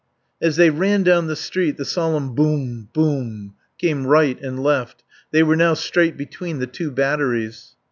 As they ran down the street the solemn Boom Boom came right and left; they were now straight between the two batteries.